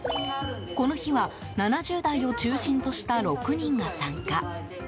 この日は７０代を中心とした６人が参加。